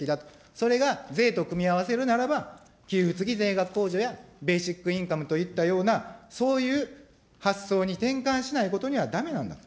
それが税と組み合わせるならば、給付付き税額控除やベーシックインカムといったような、そういう発想に転換しないことにはだめなんだと。